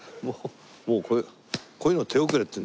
もうこれこういうの手遅れっていうんでしょうね。